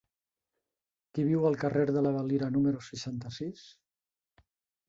Qui viu al carrer de la Valira número seixanta-sis?